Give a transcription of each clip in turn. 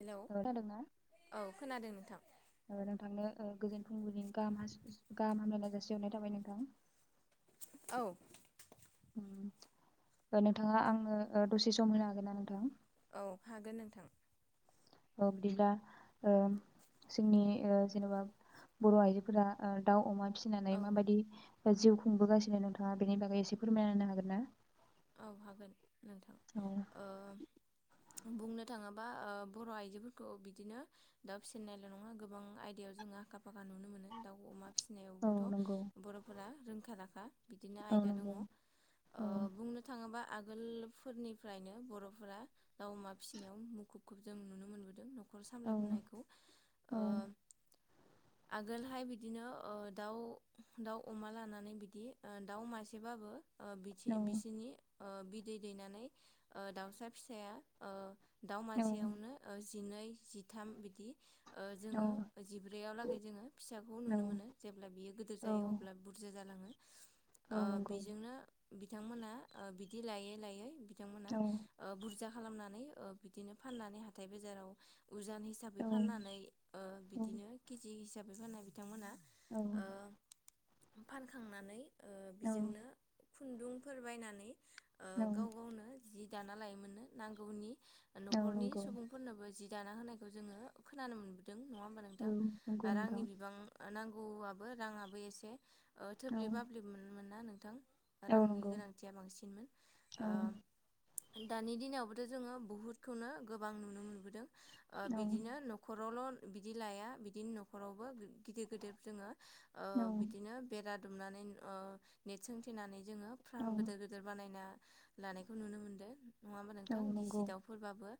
Hello जादोंना औ खोनादों नोंथां ओ नोंथांनो ओ गोजोन फुबिलिनि गाहाम हास गाहाम हामलायनाय जासि हरनाय थाबाय नोंथां औ ओ नोंथाङा आनो दसे सम होनो हागोन ना नोंथां औ हागोन नोंथां ओ बिदिब्ला ओ जोंनि ओ जेनेबा बर' आइजोफोरा ओ दाउ अमा फिसिनानै औ माबायदि ओ जिउ खुंबोगासिनो नोंथाङा बेनि बागै एसे फोरमायना होनो हागोन ना? औ हागोन नोंथां औ ओ बुंनो थाङोबा ओ बर' आइजोफोरखौ बिदिनो दाउ फिसिनायल' नङा गोबां आयदायाव जोङो आखा फाखा नुनो मोनो दाउ अमा फिनायावबोथ' औ नंगौ बर'फोरा रोंखा राखा बिदिनो औ आयदा दङ नंगौ ओ औ बुंनो नङाबा आगोलफोरनिफ्रायनो बर'फोरा दाउ अमा न'खर औ सामलायबोनायखौ औ ओ आगोलहाय बिदिनो दाउ दाउ अमा लानानै बिदि दाउ मासेबाबो बिथि औ बिसिनि ओह बिदै दैनानै ओह दाउसा फिसाया ओह दाउ मासेयावनो जिनै जिथाम बिदि ओह औ जोङो जिब्रैयाव लागै जोङो फिसाखौ नुनो मोनो जेब्ला बियो गोदोर औ जायो अब्ला बुरजा जालाङो ओह औ नंगौ बेजोंनो बिथांमोना ओह बिदि लायै लायै बिद थांमोना औ ओह बुरजा खालामनानै ओह बिदिनो फाननानै हाथाय बाजाराव उजान हिसाबै औ फाननानै ओह बिदिनो केजि हिसा हिसाबै फाननाय बिथांमोना औ ओ फानखांनानै ओह औ बेजोंनो खुन्दुंफोर बायनानै ओह गाव औ गावनो जि दाना लायोमोननो नांगौनि औ न'खरनि नंगौ सुबुंफोरनोबो जि दाना होनायखौ जोङो खोनानो मोनबो नङा होनबा औ नोंथां नंगौ नोंथां रांनि बिबां नांग गौआबो राङाबो एसे ओह औ थोबलिब माब्लिब मोन मोनना नोंथां नोंथां औ रांनि नंगौ गोनांथिया बांसिन औ दानि दिनावबोथ' जोङो बुहुदखौनो गोबां नुनो मोनबोदों ओह औ बिदिनो न'खरावल' बिदि लाया बिदिनो न'खरावबो गो-गिदिर गिदिरबो जोङो औ ओह बिदिनो बेराद दुमनानै ओ नेट सोंथेनानै जोङो फ्राम औ गोदो गो बानायना लानायखौ नुनो मोनदों। नङ होमबा औ नोंथां नंगौ दिसि दाउफोरबाबो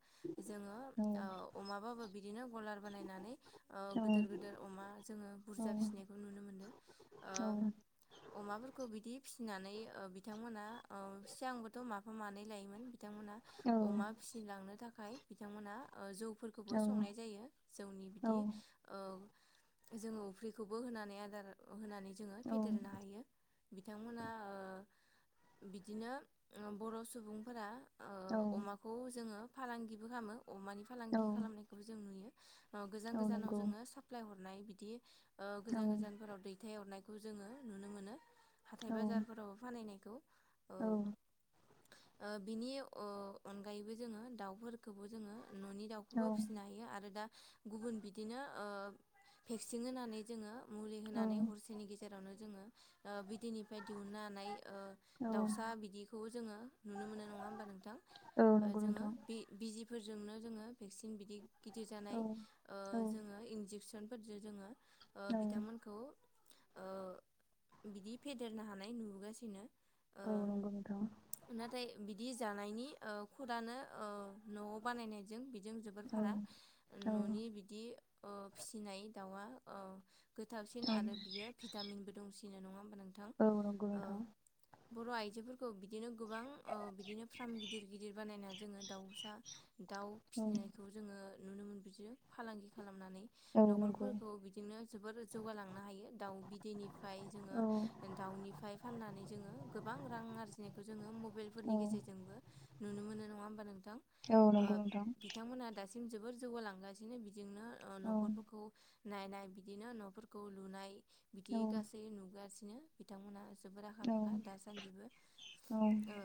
जोङो औ ओ अमाबाबो बिदिनो गलार बानायनानै ओ औ गोदोर गोदोर अमा जोङो औ बुरजा फिसिनायखौ नुनो मोनदों औ ओ अमाफोरखौ बिदि फिसिनानै ओ बिथांमोना औ सि आंबोथ' मा मानै लायोमोन बिथांमोनहा औ अमा फिसिलांनो थाखाय बिथांमोना ओ जौ फोरफोरखौबो संनाय जायो जौनि बिदि जोङो अफ्रिखौबो होनानै आदार होनानै जोङो फेदेरनो हायो। बिथांमोना ओ बिदिनो बर' सुबुंफोरा ओ औ अमाखौ जोङो फालांगिबो खालामो अमानि औ फालांगि खालामनायखौबो जों नुयो। गोजान औ गोजानाव नंगौ जोङो साप्लाय हर हाबनाय बिदि ओ औ गोजान गोजानफोराव दैथायहरनाय खौ जोङो नुनो मोनो। औ हाथाय बाजारफोरावबो फानहैनाय औ ओ बिनि उ अनगायैबो जोङो दाउफोरखौबो जोङो न'नि औ दाउखौबो फिसिनो हायो आरो दा गुबुन बिदिनो ओ भेक्सिन होनानै जोङो मुलि होनानै हरसेनि गेजे जेरावनो जोङो ओ बिदैनिफ्राय दिहुननो हानाय ओ दाउसा बिदिखौ जोङो नुनो मोनो नङा होमबा नोंथां औ नंगौ जोङो नोंथां बि-बिजि फोरजोंनो जोङो भेक्सिन बिदि गिदिर औ जानाय ओ औ जोङो इन्जेकसन फोरजों जोङो ओ औ बिथांमोनखौ ओ बिदि फेदेरनो हानाय नुबोगासिनो औ ओ नोंगौ नोंथां नाथाय बिदि जानायनि ओ खुदानो ओ न'आव बानायनायजों जों जोबोर औ फाराग औ न'नि बिदि ओ फिसिनाय दाउआ ओ गोथावसिन आरो बियो भिटामिनबो दंसि फिनाय नंङा होम नोंथां औ नंगौ नोंथां ओ बर' आइजोफोरखौ बिदिनो गोबां ओ बिदिनो फ्राम गिदिर गिदिर बानायना जोंङो दाउसा दाउ औ फिनायखौ जोंङो नुनो मोन बिदिनो फालांगि खालाम खालामनानै औ नंगौ न'खरफोरखौ बिदिनो जोबोर जौगालांनो हायो दाउ बिदैनिफाय जोंङो औ दाउनिफाय फाननानै जोंङो गोबां रां आरजिनायखौ जोंङो मबाइलफोरनि औ गेजेरजोंबो नुनो मोनो नंङा होमबा नों थां औ ओ नंगौ नोंथां बिथांमोना दासिम जोबोर जौगालांगासिनो बि जिंनो ओ औ न'खरफोरखौ नायनाय बिदिनो न'फोरखौ लुनाय बिदि औ गासै नुगासि नो बिथांमोना जो जोबोर आखा फाखा औ दास सान्दिबो ओ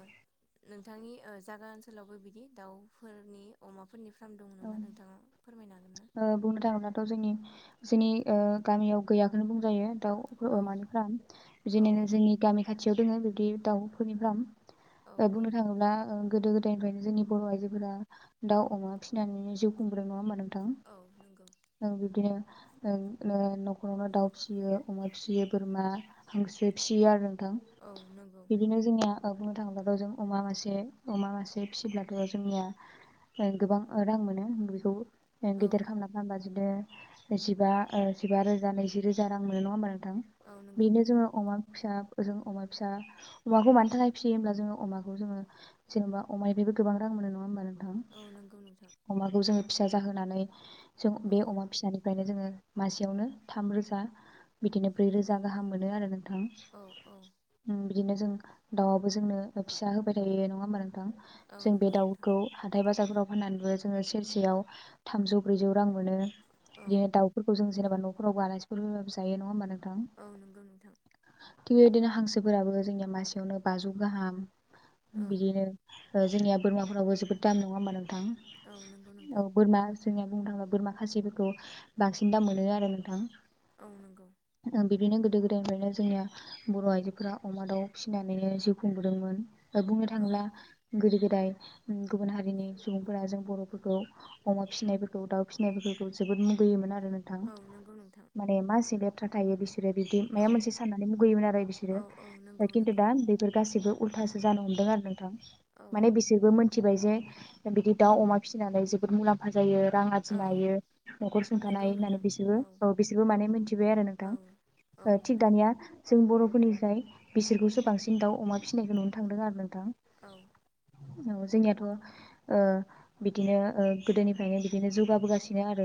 नोंथांनि ओ जागा ओनसोलावबो बिदि दाउफोरनि अमा फोरनि फ्राम दं औ नामा नोंथाङा फोरमायनो हागोन ना ओ बुंनो थाङोब्लाथ' जोंनि जोंनि ओ गामियाव गैयाखौनो बुंजायो दाव फो औ अमानि फार्म औ बिदिनो जोंनि गामि खाथि खाथियाव दोङो बिदि दाउफोरनि फ्राम औ ओ औ बुंनो थांङोब्ला ओ गोदो गोदायनिफ्रायनो जोंनि बर' आइजोफोरा दाउ अमा फिनानै जिउ खुंबोदों नंङा होमबा नों थां औ नंगौ। ओं बिबदिनो ओं नो न'खरावनो दाउ फियो अमा फियो बोरमा हांसो फियो आरो औ नंगौ बिदिनो जोंनिया औ बुंनो थांब्लाथ' जों अमा मासे अमा मासे फिसिब्लाथ' जोंनिया ओ गोबां रां मोनो बेखौ औ गिदिर खालामना फानबा बिदिनो जिबा ओ जिबा रोजा नैजि रोजा रां मोनो नङा होमबा नों थां औ नंगौ बेनो नोंथां जोङो अमा फिसा जों अमा फिसा अमाखौ मानि थाखाय फिसियो होमब्ला जोङो अमाखौ जोङो जेनेबा अमानिफ्रायबो गोबां रां मोनो नङा होनोमबा नों- औ नोंगौ अमाखौ जोङो फिसा जाहोनानै जों औ बे अमा फिसानिफ्रायनो जोङो मासेयावनो थाम रोजा बिदिनो ब्रै रोजा गाहाम मोनो आरो नो थां औ औ उम बिदिनो जों दाउआबो जोंनो फिसा होबाय थायो नङा होमबा नों थां औ जों बे नंगौ नोंथां दाउखौ हाथाय बाजा थायफोराव होननानैबो जोङो सेरसेयाव थामजौ ब्रैजौ रां मोनो औ बियो दाउफोरखौजों जेनेबा न'फोराव आलासिफोर फैबाबो जायो नङा होमबा नों औ नंगौ नोंथां थिग बेबायदिनो हांसोफोराबो जोंनिया मासेयावनो बाजौ गाहाम औ बिदिनो जोंनिया बोरमाफोरावबो जोबोद दाम नङा होमबा नों औ नंगौ नोंथां जोंनिया बुंनो थाङोबा बोरमाखासिफोरखौ बांसिन दाम मोनो आरो नोंथां औ नंगौ बिदिनो गोदो गोदायनिफ्रायनो जोंनिया बर' आइजोफोरा अमा दाउ फिसिनानै जिउ खुंबोदोंमोन। बुंनो औ थाङोब्ला गोदो गो दाय गुबुन हारिनि सुबुंफोरा जों बर'फोरखौ अमा फिसिनायफोरखौ दाउ फिसिनायफोरखौ जोबोद मुगैयोमोन आरो नोंथां औ नंगौ नोंथां माने मा [unintelligible] थाथायो बिस सोरो बिदि औ माबा मोनसे साननानै मुगैयोमोन आरो बिसोरो औ औ दा नंगौ खिन्थु नंगौ दा बेफोर गासिबो उल्थासो जानो हमदों आरो नोंथां औ माने बिसोरबो मोन मिथिबाय जे बिदि दाउ अमा फिसिनानै जोबोद मुलाम्फा दायो रां औ आरजिनो हायो नखर सुथानो हायो नंगौ होन्नानै नोंथां बिसोरबो औ ओ बिसोरबो मिथिबाय आरो औ औ नोंथां। थिग नोंथां दानिया जों बरफोराबो फोरनिखाय बिसोरखौसो बांसिन दाउ अमा फिसिनायखौ नुनो थांदों आरो नोंथां। औ। औ जोंनियाथ' ओ बिदिनो ओ गोदोनिफ्रायनो बिदिनो जौगाबोगासिनो आरो।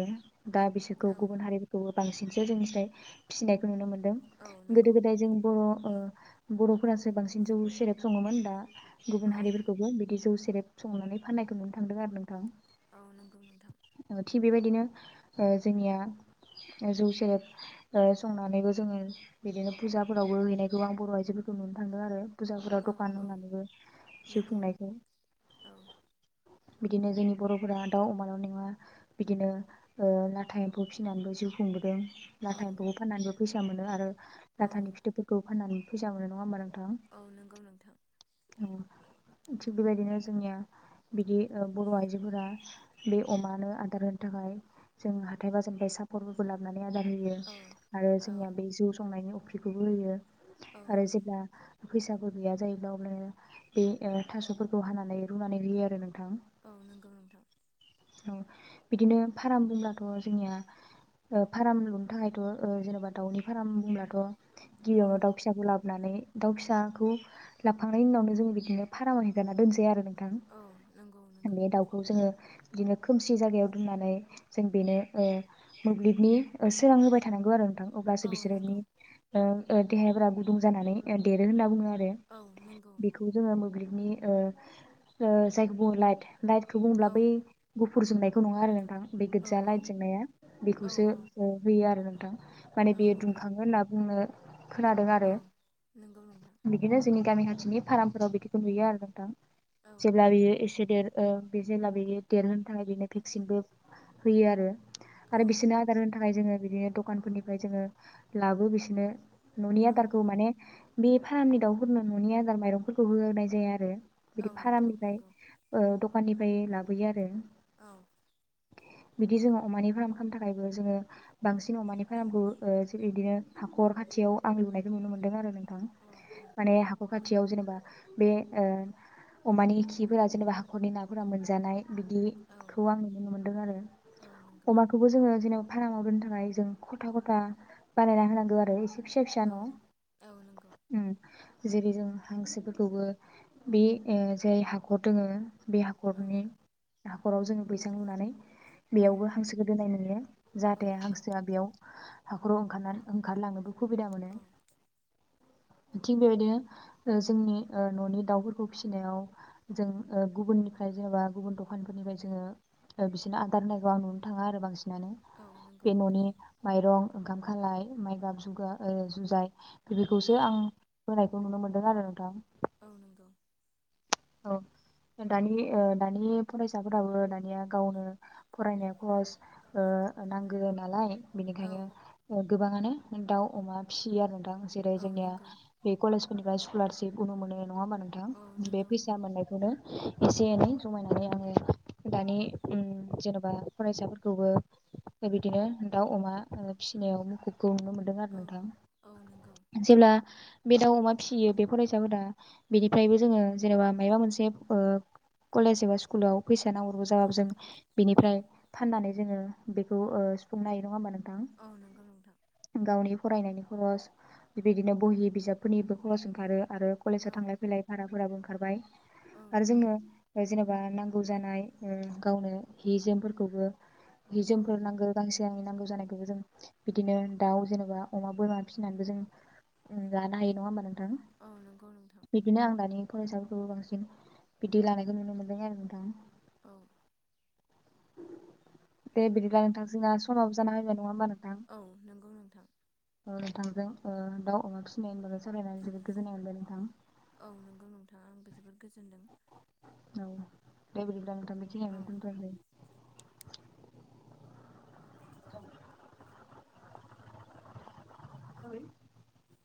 दा बिसोरखौ औ गुबुन हारिफोरखौ बांसिनसो जोंनिफ्राय फिसिनायखौ नुनो मोनदों। औ गोदो नंगौ गोदाय जों बर' बर'फोरासो बांसिन जौ सेरेब सङोमोन दा? गुबुन औ हारिफोरखौबो बिदि जौ जेब सुंनानै फाननायखौ नुनो थांदों आरो नोंथां। औ। नंगौ नोंथां। थिग बेबायदिनो जोंनिया जौ सेरेेब संनानैबो जोङो, बिदिनो फुजाफोरावबो हैनायखौ आं बर' आइजोफोरखौ नुनो थांदों आरो। फुजाफोराव औ दखान औ होनानैबो जि नंगौ खुंनायखौ औ बिदिनो जोंनि बर'फोरा दाउ अमाल' नङा, बिदिनो लाथा एम्फौ फिसिनानैबो जिउ खुंबोदों। औ लाथा एम्फौखौ फान्नानैबाबो फैसा मोनो। आरो औ लाथानि फिथोबफोरखौ फाननानै फैसा मोन नङाहोनबा नोंथां? औ नंगौ नोंथां। थिग बेबायदिनो जोंनिया बिदि ओ बर' आइजोफोरा बे अमानो आदार होनो थाखाय जों हाथाय बाजारनिफ्राय सापर्फोरखौ लाबोनानै आदर होयो औ आरो औ बे जौ संनायनि अफ्रिखौबो होयो। औ आरो जेब्ला फैसाफोर गैया जायोब्ला अब्लानिया बे ओ थास'फोरखौ हानानै रुनानै होयो आरो। नोंथां औ। नंगौ नोंथां। औ। बिदिनो फार्म बुंब्लाथ' जोंनिया? फार्म लुनो थाखायथ' जेनेबा दाउनि फार्म बुंब्लाथ औ गिबियाव दाव फिसाखौ लाबो हाबनानै दाउ फिसाखौ लाबोखांनायनि उनावनो जों बिदिनो फाराम आव आगारना दोनसै आरो नोंथां। औ नंगौ नंगौ बे दाउखौ जोङो बिदिनो खोमसि जायगायाव दोननानै, जों बेनो ओ मोब्लिबनि सोरां होबाय थानांगौ आरो। अब्लासो औ बिसोरनि नंगौ ओ देहहाफ्रा गुदुं जानानै देरो होनना बुङो आरो। औ नंगौ बेखौ जोङो [unintelligible] ओ जायखौ बुङो लाइथ दाइटखौ बुङोब्ला औ बै गु फुरजोंनायखौ नङा आरो नोंथां बे औ गोजा लाइट औ जेंनाया औ बेखौसो होयो आरो नोंथां माने औ बेयो नंगौ दुंखाङो होनना बुंङो खोनादों आरो औ नंगौ नोंथां बिदिनो जोंनि गामि थिनि फारामफोराव बिदिखौ नुयो आरो नोथां औ जेब्ला बियो एसे देर ओ बे जेब्ला बेयो देरहोनो थाखाय बिनो भेक्सिनबो होयो आरो औ आरो बिसोरनो आदार होनो थाखाय जोङो बिदिनो दखानफोरनिफ्राय जोङो लाबो बिसोरनो ननि औ आथारखौ माने बे फारामनि दाउफोरनो न'नि आदार माइरंफोरखौ होनाय जाया आरो औ नोंथां फारामनिफाय नंगौ ओ द खाननिफ्राय लाबोयो आरो औ बिदि जोङो अमानि फार्म खालामनो थाखायबो जोङो बांसिन अमानि फार्मखौ ओ बिदिनो हाखर खाथियाव आं लुनायखौ नुनो मोनदों आरो नों थां औ औ माने हाखर खाथि खाथियाव जेनेबा बे ओ अमानि खिफोरा जेनेबा हाखरनि नाफोरा मोनजानाय बिदिखौ औ आं नुनो मोनदों आरो नंगौ अमाखौबो जोङो जेनेबा फारामाव दोननो थाखाय जों खथा खथा बानायना होनांगौ आरो एसे फिसा फिसा औ औ नंगौ न' जेरै जों हांसोफोरखौबो बि ए जाय हाखर दोङो बे औ हाखरनि हाखराव जोङो बैसां लुनानै औ बेयावबो हांसोखौ दोननाय नुयो औ जाहाथे नंगौ हांसोआ बेयाव हाखराव ओंखारनानै ओंखारलाांनोबो खुबिदा मोनो औ थिग बेबायदिनो जोंनि न'नि दाउफोरखौ फिसि फिनायाव जों ओ गुबुननिफ्राय जेनेबा गुबुन दखानफोरनिफ्राय जोङो ओ बिसोरनो आदार होनायखौ आं नुनो थाङा आरो बांसिन मानो औ नंगौ बे न'नि नोंथां माइरं ओंखाम खालाय माइ गाब जुगा ओ जुजाय गिरि औ बेखौसो आं होनायखौ नुनो मोन दों आरो नोंथां औ नंगौ औ दानि ओ दानि फरायसाफोराबो दानिया गावनो फरायनाय खरस ओ नांगो नालाय। बिनिखायनो औ ओ गोबाङानो दाउ अमा फिसियो आरो। दां जेरै औ जोंनिया नंगौ बे कलेजफोरनिफाय स्कलारशपखौनो मोनो नङा होमबा नोंथां? औ बे नंगौ नंगौ मोननायखौनो एसे एनै जमायनानै आङो दानि ओ जेन'बा फरायसाफोरखौबो बिदिनो ओ दाउ अमा फिसिनायाव मुखुब खौ नुनो मोनदों आरो औ नोंथां। औ नंगौ जेब्ला बे दाउ अमा फिसियो बे फरायसाफोरा बेनिफ्रायबो जोङो जेनेबा मायबा मोनसे फो कलेज एबा स्कुलाव फैसा नांब्रबगौ औ जाबाबो जों बिनिफ्राय फाननानै जोङो बेखौ ओ सुफुंनो हायो नङा होमबा नों औ नंगौ नोंथां। फरायनायनि खरस बेबायदिनो बहिनि बिजाबफोरनिबो खरस ओंखारो। आरो कलेजाव औ थांलाय फैलाय भारा फोराबो ओं खारबाय। औ आरो नंगौ जोंनो ओ जेन बा नांगौ जानाय ओ गावनो हि जोमफोरखौबो हि औ जोमफोर नांगो गांसे गांनै नांगौ जानायखौबो जों बिदिनो दाउ जेनेबा अमा बोरमा फिसिनानैबो जों ओ लानो हायो नङा होमबा नों थां? औ नंगौ नोंथां बिदिनो आं दानि फरायसाफोरखौबो बांसिन बिदि लानायखौ नुनो मोन्दों आरो नोंथां। औ। दे बिदिब्ला नोंथां जोंना समाबो जाना फैनाय नङा होमबा नों थां? औ नंगौ नोंथां औ नोंथांजों ओ दाउ अमा फिसिनायनि बागै सावरायनानै जोबोद गोजोननाय मोनबाय नोंथां। औ नों थां आंबो जोबोद गोजोनदों। औ दे बिदिब्ला नों थां औ बेखिनियावनो दोनथ'सै। [unintelligible] [unintelligible]